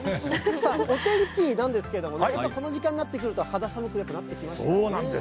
さあ、お天気なんですけれども、この時間になってくると、肌寒くそうなんです。